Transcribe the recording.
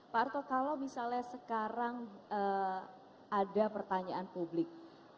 pak arto kalau misalnya sekarang ada pertanyaan publik